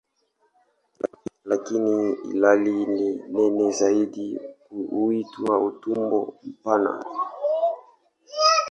Lakini ilhali ni nene zaidi huitwa "utumbo mpana".